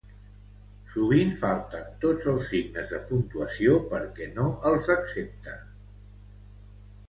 Sovint falten tots els signes de puntuació perquè no els accepta.